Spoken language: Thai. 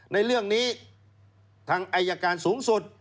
ในเรื่องนี้ทางอายการสูงสุด